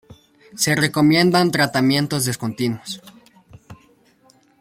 Se recomiendan tratamientos discontinuos.